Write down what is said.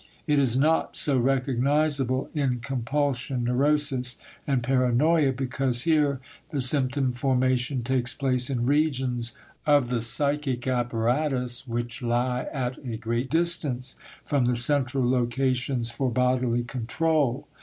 It is not so recognizable in compulsion neurosis and paranoia because here the symptom formation takes place in regions of the psychic apparatus which lie at a great distance from the central locations for bodily control.